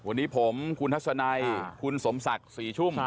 วันนี้ผมคุณทัศนัยคุณสมสักสี่ชุ่ม